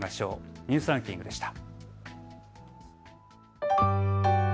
ニュースランキングでした。